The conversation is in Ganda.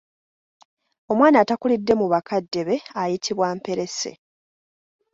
Omwana atakulidde mu bakadde be ayitibwa Mperese.